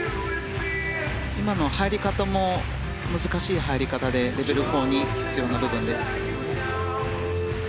今のは入り方も難しい入り方でレベル４に必要な部分です。